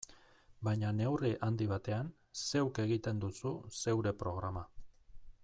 Baina neurri handi batean, zeuk egiten duzu zeure programa.